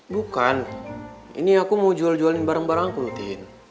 bukan ini aku mau jual jualin bareng bareng aku rutin